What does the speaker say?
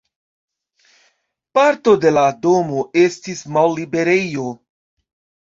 Parto de la domo estis malliberejo.